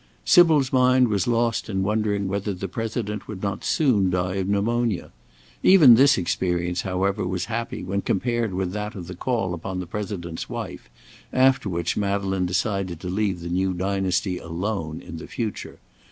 Sybil's mind was lost in wondering whether the President would not soon die of pneumonia. Even this experience, however, was happy when compared with that of the call upon the President's wife, after which Madeleine decided to leave the new dynasty alone in future.